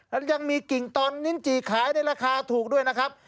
และยังมีกิ่งตอนลิ้นจี่ขายในราคาถูกด้วยนะครับ